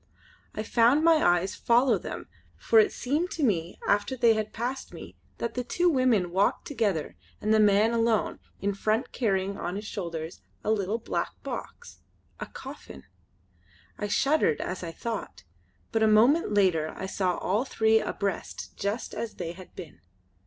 I found my eyes follow them, for it seemed to me after they had passed me that the two women walked together and the man alone in front carrying on his shoulder a little black box a coffin. I shuddered as I thought, but a moment later I saw all three abreast just as they had been.